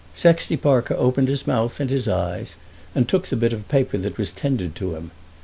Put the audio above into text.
Sexty Parker opened his mouth and his eyes, and took the bit of paper that was tendered to him.